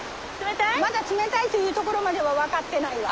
まだ冷たいという所までは渡ってないわ。